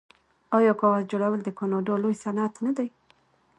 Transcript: آیا کاغذ جوړول د کاناډا لوی صنعت نه دی؟